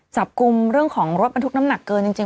จับกลุ่มเรื่องของรถบรรทุกน้ำหนักเกินจริง